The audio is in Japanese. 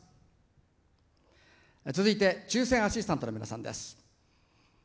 続いて抽せんアシスタントの皆さんです。